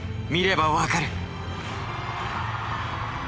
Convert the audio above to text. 見れば分かる。